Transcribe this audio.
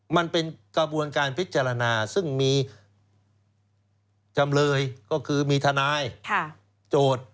มันเป็นกระบวนการพิจารณาซึ่งมีจำเลยก็คือมีทนายโจทย์